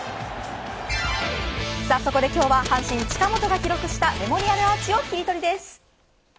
ここで今日は阪神近本が記録したメモリアルアーチをキリトリです。